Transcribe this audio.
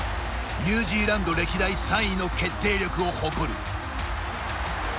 ニュージーランド歴代３位の決定力を誇る。